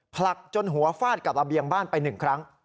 ผลักจนหัวฟาดกับระเบียงบ้านไป๑ครั้ง